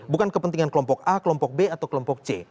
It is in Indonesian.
bukan kepentingan kelompok a kelompok b atau kelompok c